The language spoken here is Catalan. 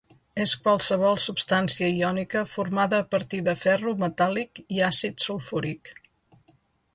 És qualsevol substància iònica formada a partir de ferro metàl·lic i àcid sulfúric.